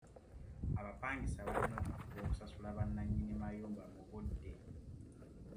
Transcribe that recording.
Abapangisa balina okufuba okusasula bannannyini mayumba mu budde.